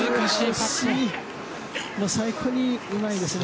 最高にうまいですね。